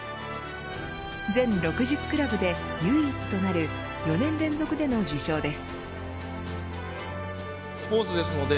全６０クラブで唯一となる４年連続での受賞です。